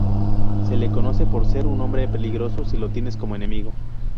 Se le conoce por ser un hombre peligroso si lo tienes como enemigo.